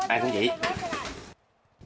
ai cũng vậy